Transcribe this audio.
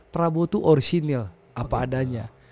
prabowo itu orisinil apa adanya